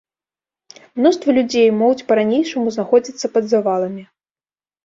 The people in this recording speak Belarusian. Мноства людзей могуць па-ранейшаму знаходзіцца пад заваламі.